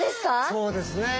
そうですね。